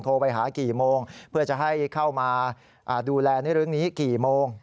โทรไปหากี่โมงเพื่อจะให้เข้ามาดูแลในเรื่องนี้กี่โมง